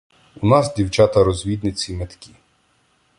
У нас дівчата-розвідниці меткі.